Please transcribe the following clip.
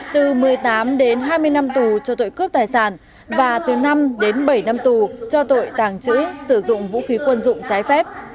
từ một mươi tám đến hai mươi năm tù cho tội cướp tài sản và từ năm đến bảy năm tù cho tội tàng trữ sử dụng vũ khí quân dụng trái phép